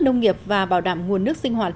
nông nghiệp và bảo đảm nguồn nước sinh hoạt